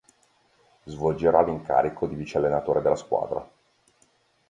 Svolgerà l'incarico di vice allenatore della squadra.